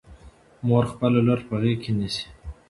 مور خپله لور په غېږ کې نیسي.